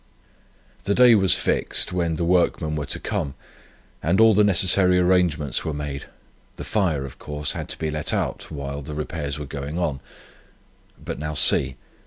"The day was fixed, when the workmen were to come, and all the necessary arrangements were made. The fire, of course, had to be let out while the repairs were going on. But now see.